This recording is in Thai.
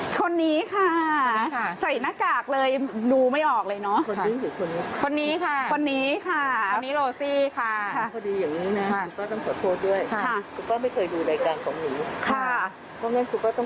เขาไม่เคยมีโอกาสที่จะดูกัน